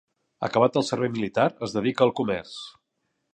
Acabat el servei militar, es dedica al comerç.